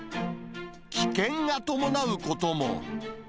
危険が伴うことも。